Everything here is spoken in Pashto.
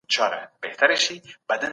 په سياسي چارو کي فعاله ونډه واخلي.